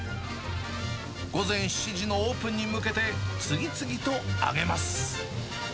午前７時のオープンに向けて、次々と揚げます。